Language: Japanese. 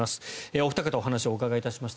お二方にお話をお伺いしました。